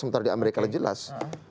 sebentar di amerika jelas